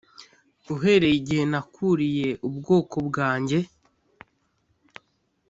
uhereye igihe nakuriye ubwoko bwanjye